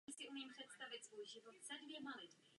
Řeka protéká okresem od jihu na severozápad.